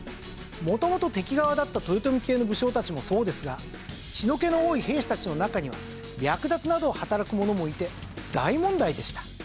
元々敵側だった豊臣系の武将たちもそうですが血の気の多い兵士たちの中には略奪などを働く者もいて大問題でした。